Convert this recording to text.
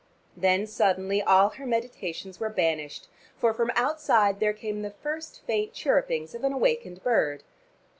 Then suddenly all her meditations were banished, for from outside there came the first faint chirrupings of an awakening bird.